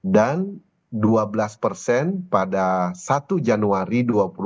dan dua belas pada satu januari dua ribu dua puluh lima